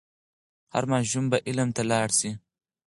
هر ماشوم به علم ته لاړ سي.